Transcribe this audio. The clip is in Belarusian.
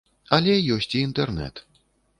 Але ёсць і інтэрнэт.